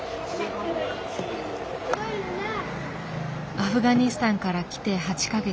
アフガニスタンから来て８か月。